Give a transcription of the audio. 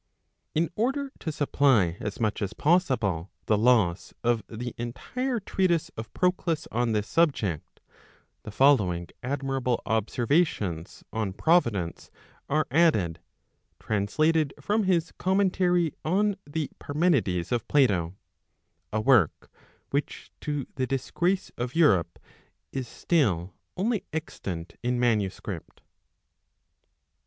In order to supply as much as possible the loss of the entire treatise of Proclus on this subject, the following admirable observations on Provi¬ dence, are added, translated from his Commentary On the Parmenides of Plato; a work, which to the disgrace of Europe, is still only extant in manuscript.